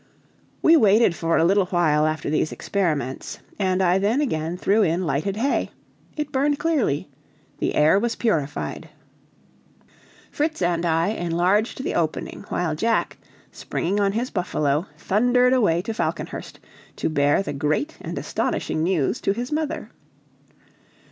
We waited for a little while after these experiments, and I then again threw in lighted hay. It burned clearly; the air was purified. Fritz and I enlarged the opening, while Jack, springing on his buffalo, thundered away to Falconhurst to bear the great and astonishing news to his mother.